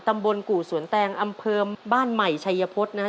กู่สวนแตงอำเภอบ้านใหม่ชัยพฤษนะฮะ